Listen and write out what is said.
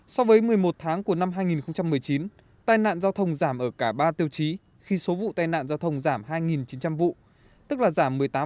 so với một mươi một tháng của năm hai nghìn một mươi chín tai nạn giao thông giảm ở cả ba tiêu chí khi số vụ tai nạn giao thông giảm hai chín trăm linh vụ tức là giảm một mươi tám hai số người chết giảm chín trăm hai mươi hai